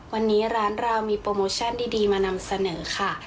วันนี้ร้านเรามีโปรโมชั่นดีมานำเสนอค่ะ